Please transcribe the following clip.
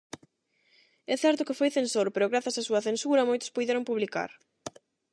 É certo que foi censor, pero gracias á súa "censura" moitos puideron publicar.